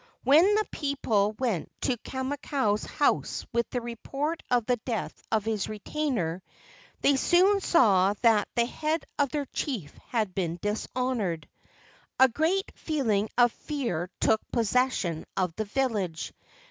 When the people went to Kamakau's house with the report of the death of his retainer, they soon saw that the head of their chief had been dishonored. A great feeling of fear took possession of the village.